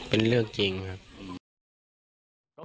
เป็นเรื่องจริงครับ